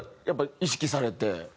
やっぱり意識されて？